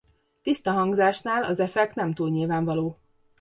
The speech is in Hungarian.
Tiszta hangzásnál az effekt nem túl nyilvánvaló.